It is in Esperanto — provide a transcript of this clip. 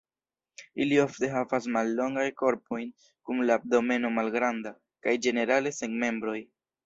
Ili ofte havas mallongajn korpojn, kun la abdomeno malgranda, kaj ĝenerale sen membroj.